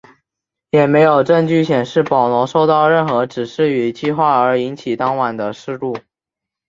也没有证据显示保罗受到任何指示与计划而引起当晚的事故。